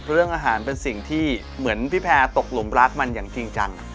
เรื่องอาหารเป็นสิ่งที่เหมือนพี่แพรตกหลุมรักมันอย่างจริงจัง